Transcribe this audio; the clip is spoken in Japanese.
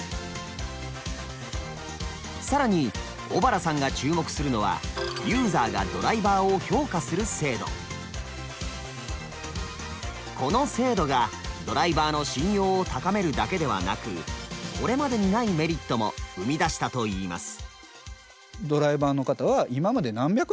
更に尾原さんが注目するのはこの制度がドライバーの信用を高めるだけではなくこれまでにないメリットも生み出したといいます。